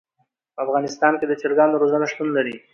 په افغانستان کې د چرګانو روزنه شتون لري.